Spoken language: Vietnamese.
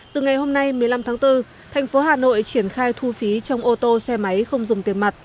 từ ngày hôm nay một mươi năm tháng bốn thành phố hà nội triển khai thu phí trong ô tô xe máy không dùng tiền mặt